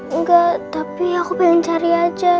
enggak tapi aku pengen cari aja